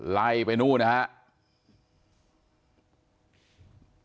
ไล่ไปนู่นนะครับ